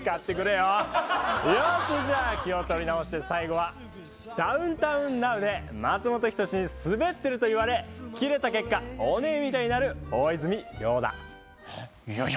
よしじゃあ気を取り直して最後は『ダウンタウンなう』で松本人志にスベッてると言われキレた結果オネエみたいになる大泉洋だ。